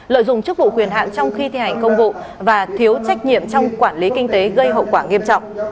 lợi dụng chức vụ quyền hạn trong khi thi hành công vụ và thiếu trách nhiệm trong quản lý kinh tế gây hậu quả nghiêm trọng